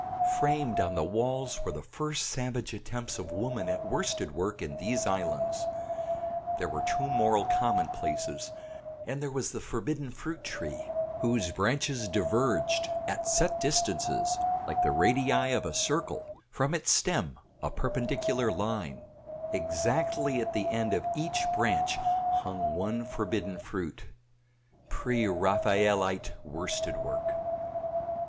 Framed on the walls were the first savage attempts of woman at worsted work in these islands. There were two moral commonplaces, and there was the forbidden fruit tree, whose branches diverged, at set distances like the radii of a circle, from its stem, a perpendicular line; exactly at the end of each branch hung one forbidden fruit pre Raphaelite worsted work.